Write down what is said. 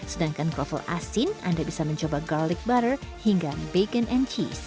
sedangkan kroffel asin anda bisa mencoba garlic butter hingga bacon and cheese